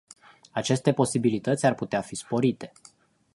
Aceste posibilități ar putea fi sporite.